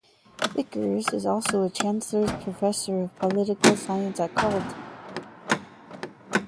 Vickers is also a Chancellor's Professor of Political Science at Carleton.